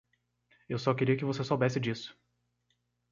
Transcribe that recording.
Eu só queria que você soubesse disso.